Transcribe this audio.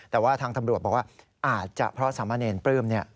แต่ว่าทางตำรวจบอกว่าอาจจะเพราะสามะเนรปลื้ม